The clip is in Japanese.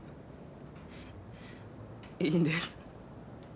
いいんです。